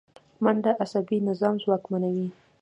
منډه عصبي نظام ځواکمنوي